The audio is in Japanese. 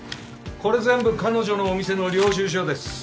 これ全部彼女のお店の領収書です。